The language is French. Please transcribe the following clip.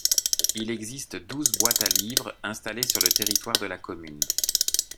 Il existe douze boites à livres installées sur le territoire de la commune.